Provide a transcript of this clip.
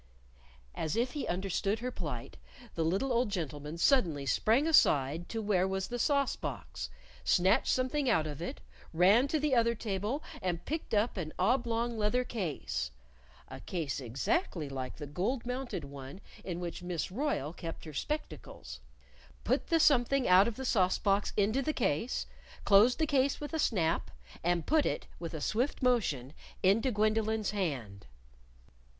As if he understood her plight, the little old gentleman suddenly sprang aside to where was the sauce box, snatched something out of it, ran to the other table and picked up an oblong leather case (a case exactly like the gold mounted one in which Miss Royle kept her spectacles), put the something out of the sauce box into the case, closed the case with a snap, and put it, with a swift motion, into Gwendolyn's hand.